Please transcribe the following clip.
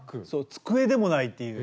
机でもないっていう。